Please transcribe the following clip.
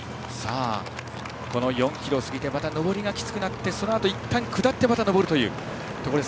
４ｋｍを過ぎてまた上りがきつくなってそのあといったん下ってまた上るというところです。